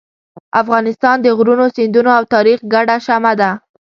افغانستان د غرونو، سیندونو او تاریخ ګډه شمع ده.